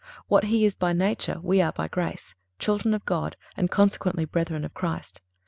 What He is by nature we are by grace—children of God, and consequently brethren of Christ.